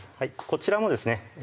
こちらもですね